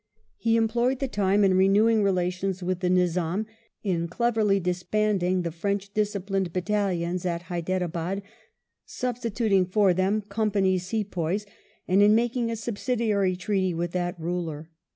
He employed the time in renewing relations with the Nizam, in cleverly disbanding the French disciplined battalions at Hyderabad, substituting for them Company's Sepoys, and in making a subsidiary treaty with that ruler.